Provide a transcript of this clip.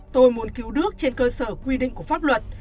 tôi muốn cứu nước trên cơ sở quy định của pháp luật